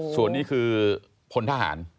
ส่วนนี้คือพลทหาร